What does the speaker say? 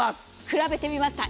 比べてみました。